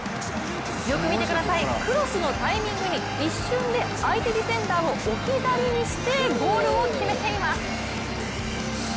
よく見てください、クロスのタイミングに一瞬で相手ディフェンダーを置き去りにしてゴールを決めています。